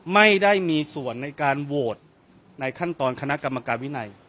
ไม่ได้มีส่วนในการโหวตในขั้นตอนคณะกรรมการวินัย